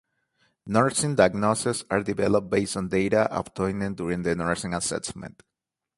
Nursing diagnoses are developed based on data obtained during the nursing assessment.